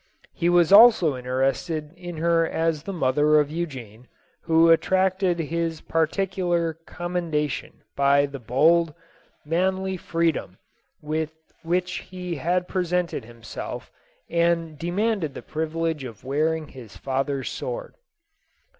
He was also interested in her as the mother of Eugene, who attracted his particular com mendation by the bold, manly freedom with which he had presented himself and demanded the privilege of wearing his father's sword.